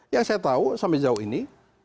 yang saya tahu sampai sejauh ini